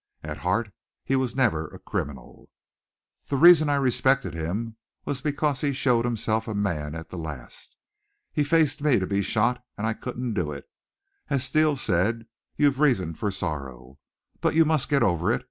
At heart he was never a criminal. "The reason I respected him was because he showed himself a man at the last. He faced me to be shot, and I couldn't do it. As Steele said, you've reason for sorrow. But you must get over it.